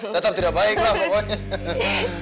tetap tidak baik lah pokoknya